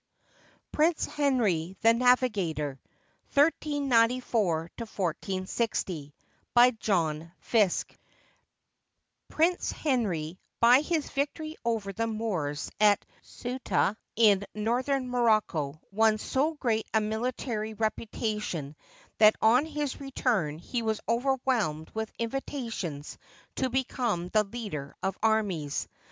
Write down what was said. PRINCE HENRY THE NAVIGATOR [1394 1460] BY JOHN FISKE [Prince Henry, by his victory over the Moors at Ceuta in northern Morocco, won so great a mihtary reputation that on his return he was overwhelmed with invitations to be come the leader of armies.